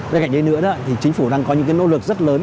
bên cạnh đấy nữa thì chính phủ đang có những nỗ lực rất lớn